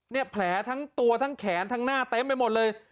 แผลทั้งตัวทั้งแขนทั้งหน้าเต็มไปหมดเลย